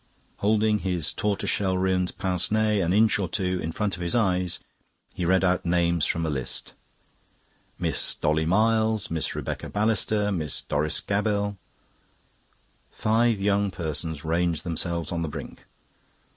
Holding his tortoise shell rimmed pince nez an inch or two in front of his eyes, he read out names from a list. "Miss Dolly Miles, Miss Rebecca Balister, Miss Doris Gabell..." Five young persons ranged themselves on the brink.